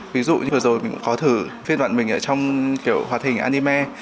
ví dụ như vừa rồi mình có thử phiên bản mình trong kiểu hoạt hình anime